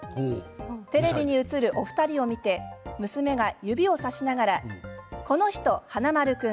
テレビに映るお二人を見て娘が指を指しながらこの人、華丸君！